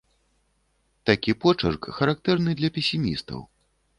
Такі почырк характэрны для песімістаў.